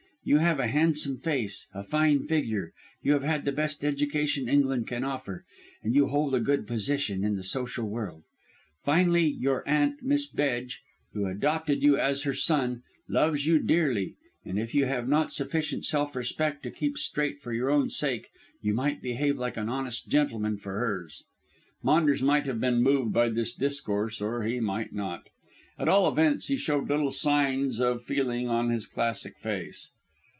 You have a handsome face, a fine figure, you have had the best education England can afford, and you hold a good position in the social world. Finally, your aunt, Mrs. Bedge, who adopted you as her son, loves you dearly, and if you have not sufficient self respect to keep straight for your own sake you might behave like an honest gentleman for hers." Maunders might have been moved by this discourse, or he might not. At all events, he showed little signs of feeling on his classic face.